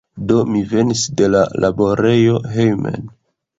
Do mi venis de la laborejo hejmen.